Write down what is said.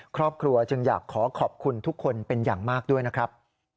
ครอบครัวจึงอยากขอขอบคุณทุกคนเป็นอย่างมากด้วยนะครับ